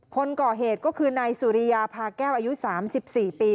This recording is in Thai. คนก่อเหตุก็คือนายสุริยาพาแก้วอายุ๓๔ปี